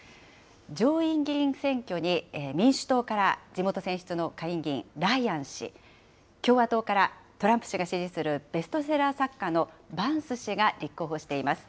上院議員選挙に、民主党から地元選出の下院議員、ライアン氏。共和党からトランプ氏が支持するベストセラー作家のバンス氏が立候補しています。